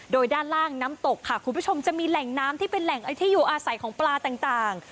โดยด้านล่างน้ำตกค่ะคุณผู้ชมจะมีแหล่งน้ำที่เป็นแหล่งที่อยู่อาศัยของปลาต่าง